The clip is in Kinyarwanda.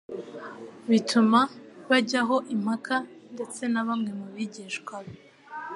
bituma bayajyaho impaka. Ndetse na bamwe mu bigishwa be